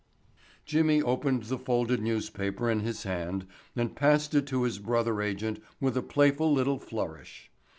Jimmy opened the folded newspaper in his hand and passed it to his brother agent with a playful little flourish.